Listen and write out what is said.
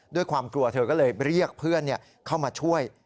ด้วยความกลัวเธอก็เลยเรียกเพื่อนเข้ามาช่วย